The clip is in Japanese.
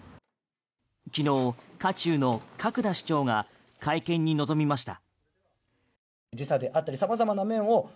昨日、渦中の角田市長が会見に臨みました。